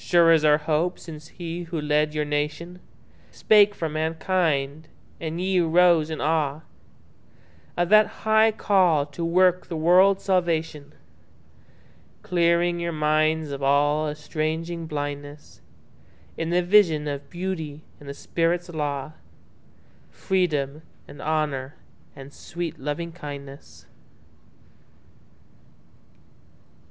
Sure is our hope since he who led your nationSpake for mankind, and ye arose in aweOf that high call to work the world's salvation; Clearing your minds of all estranging blindnessIn the vision of Beauty and the Spirit's law, Freedom and Honour and sweet Lovingkindness.